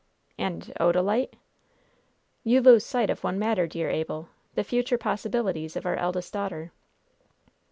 "And Odalite?" "You lose sight of one matter, dear Abel the future possibilities of our eldest daughter."